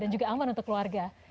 dan juga aman untuk keluarga